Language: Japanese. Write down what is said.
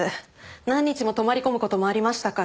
何日も泊まり込む事もありましたから。